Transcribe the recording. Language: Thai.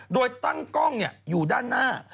โดยตั้งกล้องอยู่ด้านหน้า